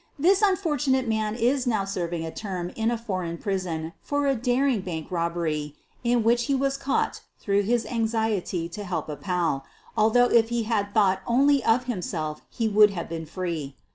This unfortunate man is now serv ing a term in a foreign prison for a daring bank robbery in which he was caught through his anxiety to help a pal — although if he had thought only of himself he would have been free.